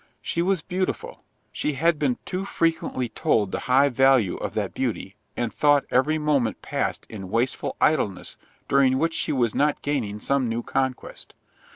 She was beautiful; she had been too frequently told the high value of that beauty, and thought every moment passed in wasteful idleness during which she was not gaining some new conquest.